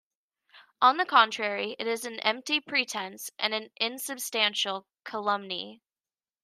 On the contrary it is an empty pretense and an insubstantial calumny.